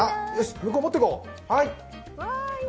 向こう持っていこう。